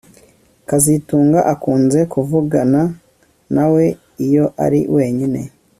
kazitunga akunze kuvugana nawe iyo ari wenyine